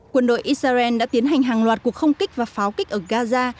quân đội israel đã tiến hành hàng loạt cuộc không kích và pháo kích ở gaza